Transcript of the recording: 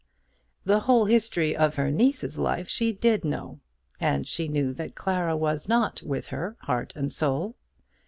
The whole history of her niece's life she did know, and she knew that Clara was not with her, heart and soul.